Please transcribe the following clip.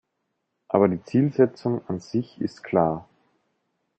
Aber die Zielsetzung an sich ist klar.